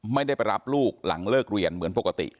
ไม่ได้ไปรับลูกหลังเลิกเรียนเหมือนปกติ